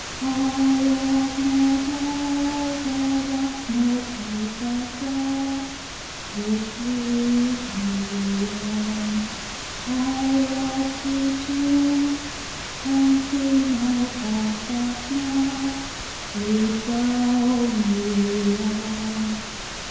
2. I was not ever thus, nor prayed that Thou Shouldst lead me on! I loved to choose and see my path; but now Lead Thou me on!